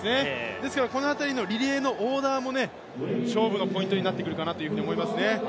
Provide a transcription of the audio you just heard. ですからこの辺りのリレーのオーダーも勝負のポイントになってくるかなと思いますね。